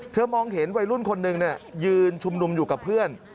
มองเห็นวัยรุ่นคนหนึ่งยืนชุมนุมอยู่กับเพื่อน